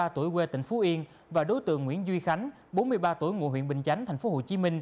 ba mươi tuổi quê tỉnh phú yên và đối tượng nguyễn duy khánh bốn mươi ba tuổi ngụ huyện bình chánh tp hcm